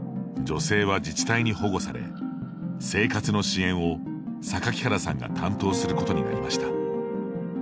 女性は自治体に保護され生活の支援を榊原さんが担当することになりました。